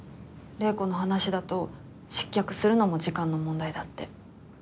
玲子の話だと失脚するのも時間の問題だって。